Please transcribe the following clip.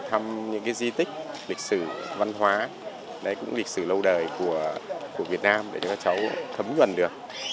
thăm những di tích lịch sử văn hóa lịch sử lâu đời của việt nam để cho các cháu thấm nguồn được